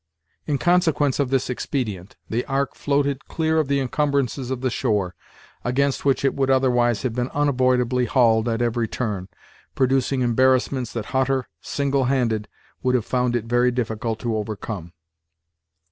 In consequence of this expedient, the ark floated clear of the incumbrances of the shore, against which it would otherwise have been unavoidably hauled at every turn, producing embarrassments that Hutter, single handed, would have found it very difficult to overcome.